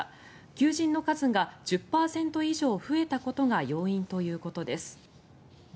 求人の数が１０％以上増えたことが要因ということです。